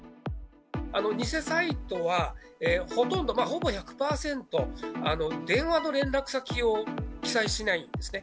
偽サイトは、ほとんど、ほぼ１００％、電話の連絡先を記載しないんですね。